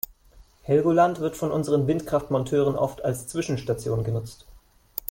Helgoland wird von unseren Windkraftmonteuren oft als Zwischenstation genutzt.